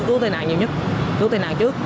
cứu tai nạn nhiều nhất cứu tai nạn trước